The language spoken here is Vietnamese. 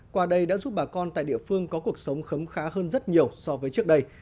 qua đây đã giúp bà con tại địa phương có cuộc sống khấm khá hơn rất nhiều so với trước đây